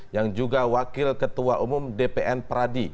yang juga wakil ketua umum dpn pradi